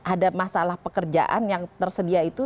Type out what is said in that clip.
ada masalah pekerjaan yang tersedia itu